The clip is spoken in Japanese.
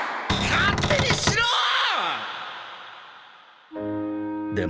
勝手にしろっ！